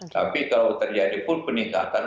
tapi kalau terjadi pun peningkatan